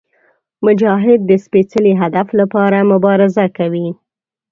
مجاهد د سپېڅلي هدف لپاره مبارزه کوي.